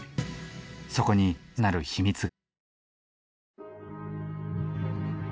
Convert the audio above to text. そこに更なる秘密が。